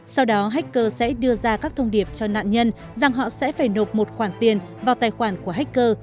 sau đó hacker sẽ đưa ra các thông điệp cho nạn nhân rằng họ sẽ phải nộp một khoản tiền vào tài khoản của hacker